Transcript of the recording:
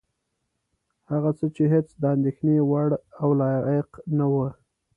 هغه څه چې هېڅ د اندېښنې وړ او لایق نه وه.